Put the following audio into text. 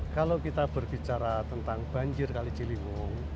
kalau kita berbicara tentang banjir kali ciliwung